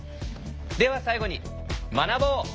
では最後に学ぼう！